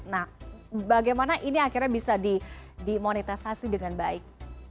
nah bagaimana ini akhirnya bisa dimonetisasi dengan baik